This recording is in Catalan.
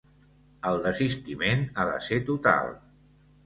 El desistiment ha de ser total.